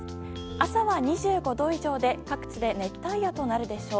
朝は２５度以上で各地で熱帯夜となるでしょう。